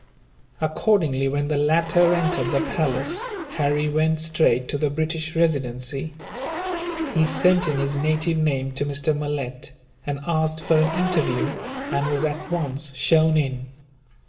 Accordingly, when the latter entered the palace, Harry went straight to the British Residency. He sent in his native name to Mr. Malet, and asked for an interview, and was at once shown in.